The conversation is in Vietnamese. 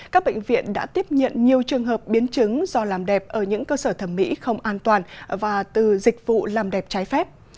các bệnh viện đã tiếp nhận nhiều trường hợp biến chứng do làm đẹp ở những cơ sở thẩm mỹ không an toàn và từ dịch vụ làm đẹp trái phép